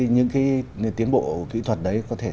những tiến bộ kỹ thuật đấy